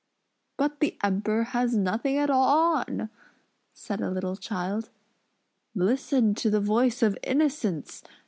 "But the Emperor has nothing at all on!" said a little child. "Listen to the voice of innocence!"